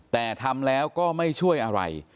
แต่ทำแล้วก็ไม่ช่วยอะไร